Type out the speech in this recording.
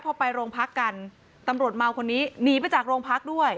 พอไปโรงพักกันตำรวจเมาคนนี้หนีไปจากโรงพักด้วย